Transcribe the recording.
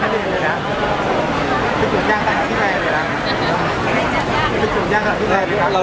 ไม่ได้เจอในคุณหรอก